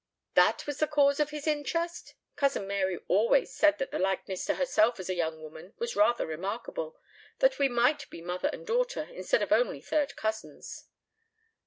"That was the cause of his interest? Cousin Mary always said that the likeness to herself as a young woman was rather remarkable, that we might be mother and daughter instead of only third cousins."